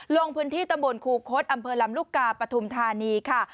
ลงพื้นที่ตำบลคูคศอำเภอลำลูกกาปฐุมธานีค่ะ